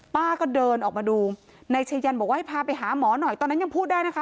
ป้าก็เดินออกมาดูนายชายันบอกว่าให้พาไปหาหมอหน่อยตอนนั้นยังพูดได้นะคะ